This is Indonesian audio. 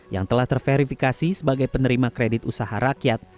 yang telah terverifikasi sebagai penerima kredit usaha rakyat